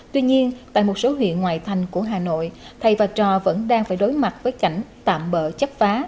tuy nhiên tại một số huyện ngoại thành của hà nội thầy và trò vẫn đang phải đối mặt với cảnh tạm bỡ chấp phá